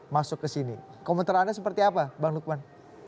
masuk ke sini komentar anda seperti apa bang lukman